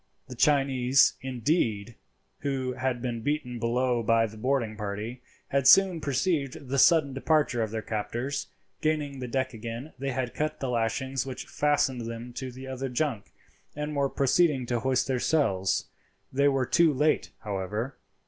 The Chinese, indeed, who had been beaten below by the boarding party, had soon perceived the sudden departure of their captors. Gaining the deck again they had cut the lashings which fastened them to the other junk, and were proceeding to hoist their sails. They were too late, however.